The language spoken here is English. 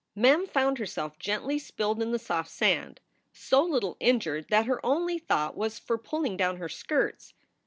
Mem found herself gently spilled in the soft sand, so little injured that her only thought was for pulling down her skirts.